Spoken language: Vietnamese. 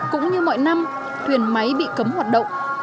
cũng như mọi năm thuyền máy bị cấm hoạt động